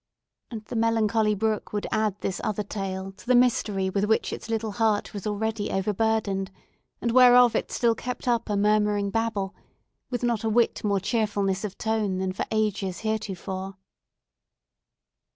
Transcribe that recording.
And the melancholy brook would add this other tale to the mystery with which its little heart was already overburdened, and whereof it still kept up a murmuring babble, with not a whit more cheerfulness of tone than for ages heretofore.